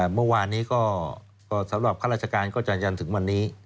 เมื่อวานนี้ก็สำหรับข้าราชการก็จะยันถึงวันนี้